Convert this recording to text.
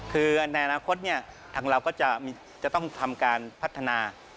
คือในอนาคตทางเราก็จะต้องทำการพัฒนา